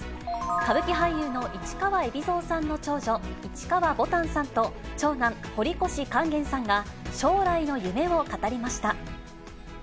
歌舞伎俳優の市川海老蔵さんの長女、市川ぼたんさんと、長男、堀越勸玄さんが、将来の夢を語りました。